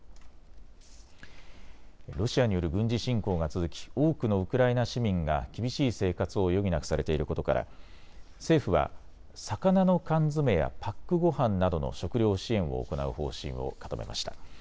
ロシアによる軍事侵攻が続き多くのウクライナ市民が厳しい生活を余儀なくされていることから政府は魚の缶詰やパックごはんなどの食料支援を行う方針を固めました。